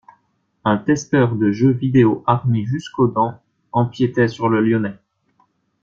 Un testeur de jeux vidéo armé jusqu'aux dents empiétait sur le lyonnais.